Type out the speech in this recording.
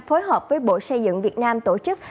phối hợp với bộ xây dựng việt nam tổ chức